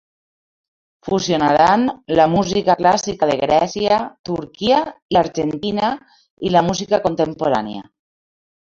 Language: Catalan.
Fusionaran la música clàssica de Grècia, Turquia i Argentina i la música contemporània.